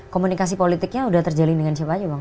komunikasi politiknya sudah terjalin dengan siapa aja bang